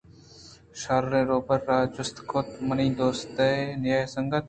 شِیر ءَ روباہ ءَ را جُست کُت منی دوستی ئیں سنگت